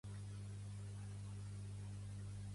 Tot el que bec ho pixo al moment